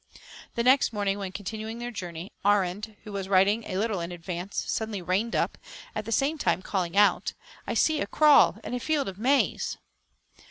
The next morning, when continuing their journey, Arend, who was riding a little in advance, suddenly reined up, at the same time, calling out "I see a kraal and a field of maize."